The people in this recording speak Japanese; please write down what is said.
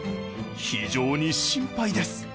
非常に心配です。